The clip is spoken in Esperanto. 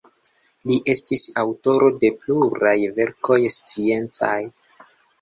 Li estis aŭtoro de pluraj verkoj sciencaj.